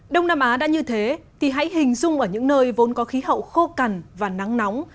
đông nam á đã như thế thì hãy hình dung ở những nơi vốn có khí hậu khô cằn và nắng nóng